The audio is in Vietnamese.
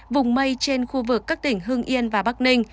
vùng mây trên khu vực các tỉnh hưng yên và bắc ninh